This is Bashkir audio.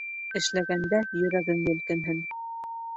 Эшләгәндә йөрәгең елкенһен.